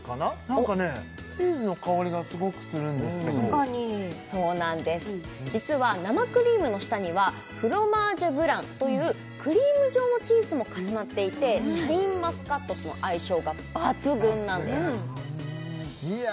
何かねチーズの香りがすごくするんですけど確かにそうなんです実は生クリームの下にはフロマージュブランというクリーム状のチーズも重なっていてシャインマスカットとの相性が抜群なんですいや